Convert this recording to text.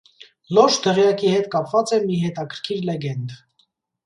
Լոշ դղյակի հետ կապված է մի հետարքիր լեգենդ։